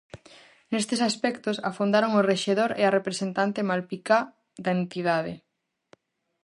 Nestes aspectos afondaron o rexedor e a representante malpicá da entidade.